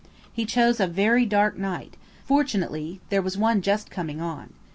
He chose a very dark night–fortunately there was one just coming on.